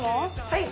はい。